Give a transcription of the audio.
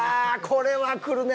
これはくるね！